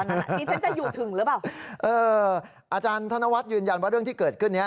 อันนี้ฉันจะอยู่ถึงหรือเปล่าเอออาจารย์ธนวัฒน์ยืนยันว่าเรื่องที่เกิดขึ้นเนี้ย